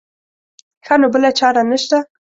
ښه نو بله چاره نه شته.